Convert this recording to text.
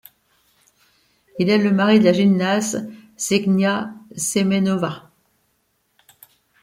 Il est le mari de la gymnaste Ksenia Semenova.